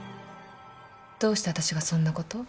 どうして私がそんな事？